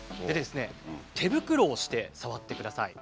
手袋をして触ってください。